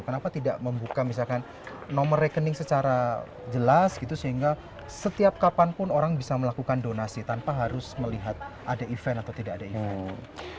kenapa tidak membuka misalkan nomor rekening secara jelas gitu sehingga setiap kapanpun orang bisa melakukan donasi tanpa harus melihat ada event atau tidak ada event